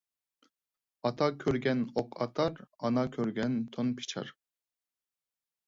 ئاتا كۆرگەن ئوق ئاتار، ئانا كۆرگەن تون پىچار.